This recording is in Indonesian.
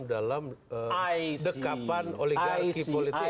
dalam dekapan oligarki politik